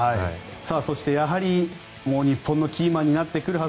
そして、やはり日本のキーマンになってくるはず